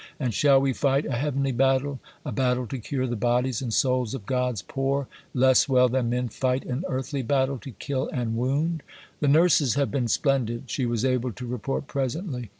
And shall we fight a heavenly battle, a battle to cure the bodies and souls of God's poor, less well than men fight an earthly battle to kill and wound?" "The nurses have been splendid," she was able to report presently.